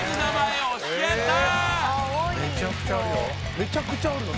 めちゃくちゃあるよ